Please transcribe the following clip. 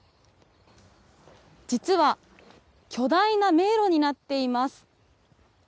実は、巨大な迷路になっています。